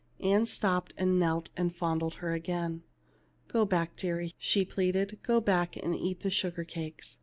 Ann stopped and knelt and fondled her again. " Go back, deary," she pleaded ;" go back, and eat the sugar cakes."